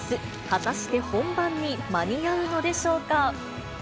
果たして本番に間に合うのでしょうか。